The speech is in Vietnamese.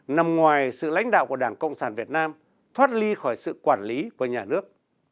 nằm ngoài sự lãnh đạo của đảng cộng sản việt nam thoát ly khỏi sự quản lý của nhà nước